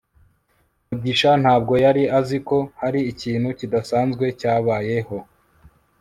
mugisha ntabwo yari azi ko hari ikintu kidasanzwe cyabayeho